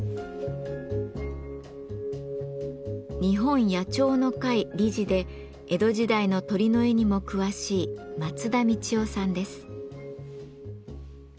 「日本野鳥の会」理事で江戸時代の鳥の絵にも詳しい松田道生さんです。